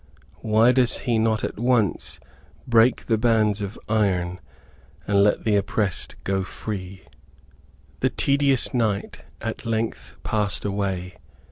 Why does he not at once "break the bands of iron, and let the oppressed go free?" The tedious night at length passed away.